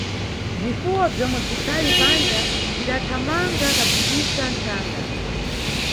Bzifuwo bzomwe bzikhali panja bzidathamanga kabzibisa nʼthanga.